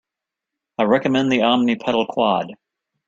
I recommend the Omni pedal Quad.